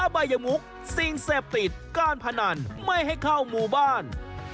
บายมุกสิ่งเสพติดการพนันไม่ให้เข้าหมู่บ้าน